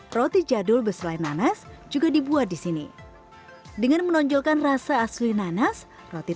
wajik roti jadul beselai nanas juga dibuat disini dengan menonjolkan rasa asli nanas roti